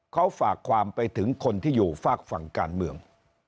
เขาฝากความไปถึงคนที่อยู่ฝากฝั่งการเมือง